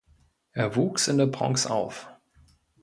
Er wuchs in der Bronx auf.